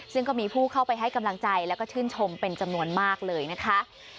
ซึ่งก็มีผู้เข้าไปให้กำลังใจแล้วก็ชื่นชมเป็นจำนวนมากเลยนะคะ